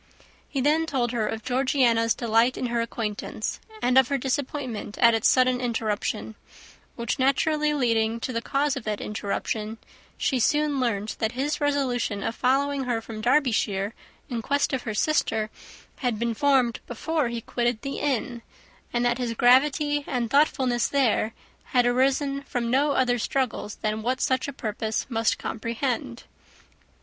He then told her of Georgiana's delight in her acquaintance, and of her disappointment at its sudden interruption; which naturally leading to the cause of that interruption, she soon learnt that his resolution of following her from Derbyshire in quest of her sister had been formed before he quitted the inn, and that his gravity and thoughtfulness there had arisen from no other struggles than what such a purpose must comprehend.